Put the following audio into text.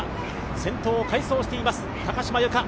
先頭を快走しています、高島由香。